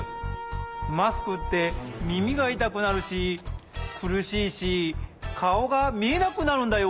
マスクってみみがいたくなるしくるしいしかおがみえなくなるんだよ。